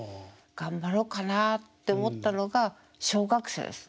頑張ろうかなって思ったのが小学生ですね。